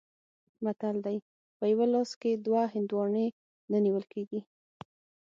متل دی: په یوه لاس کې دوه هندواڼې نه نیول کېږي.